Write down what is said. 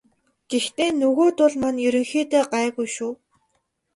Гэхдээ нөгөөдүүл маань ерөнхийдөө гайгүй шүү.